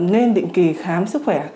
nên định kỳ khám sức khỏe